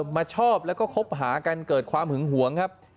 มาชอบแล้วก็คบหากันเกิดความหึงหวงครับ